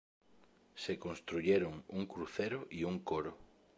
Se construyeron un crucero y un coro.